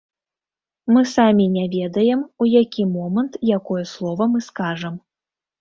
Мы самі не ведаем, у які момант якое слова мы скажам.